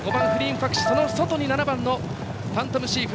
外に７番ファントムシーフ。